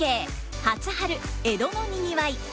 「初春江戸のにぎわい」。